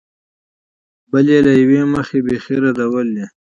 بل یې له یوې مخې بېخي ردول دي.